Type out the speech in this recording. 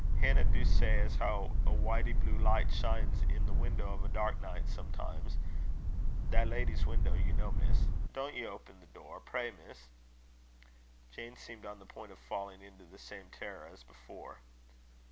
"Hannah do say as how a whitey blue light shines in the window of a dark night, sometimes that lady's window, you know, Miss. Don't ye open the door pray, Miss." Jane seemed on the point of falling into the same terror as before.